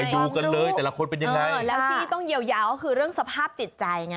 ดูกันเลยแต่ละคนเป็นยังไงเออแล้วที่ต้องเยียวยาก็คือเรื่องสภาพจิตใจไง